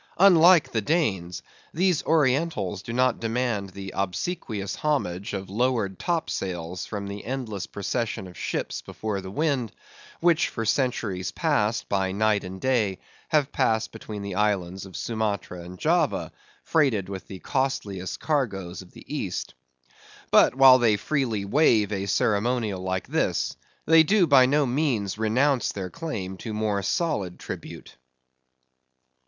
Unlike the Danes, these Orientals do not demand the obsequious homage of lowered top sails from the endless procession of ships before the wind, which for centuries past, by night and by day, have passed between the islands of Sumatra and Java, freighted with the costliest cargoes of the east. But while they freely waive a ceremonial like this, they do by no means renounce their claim to more solid tribute.